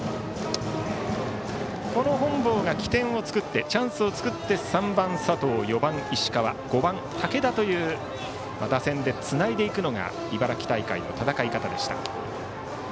この本坊がチャンスを作って３番、佐藤、４番、石川５番、武田という打線でつないでいくのが茨城大会の戦い方でした。